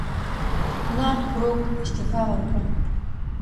نارت بروک استعفی وکړه.